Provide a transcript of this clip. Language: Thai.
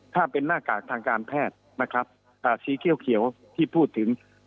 ถ้าเป็นหน้ากากทางการแพทย์นะครับสีเขียวที่พูดถึง